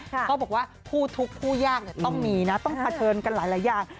เขาบอกว่าคู่ทุกข์ผู้ยากต้องมีนะต้องเผชิญกันหลายอย่าง